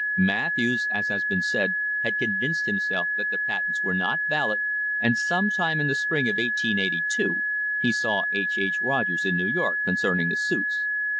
Matthews, as has been said, had convinced him self that the patents were not valid, and some time in the spring of 1882 he saw H. H. Rogers in New York concerning the suits.